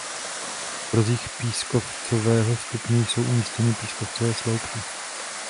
V rozích pískovcového stupně jsou umístěny pískovcové sloupky.